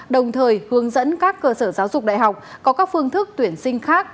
đồng thời hướng dẫn các cơ sở giáo dục đại học có các phương thức tuyển sinh khác